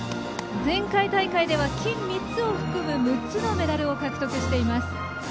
前回大会では金３つを含む６つのメダルを獲得しています。